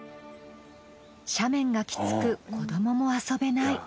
斜面がきつく子どもも遊べない。